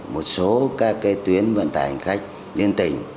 một số các tuyến vận tải hành khách liên tỉnh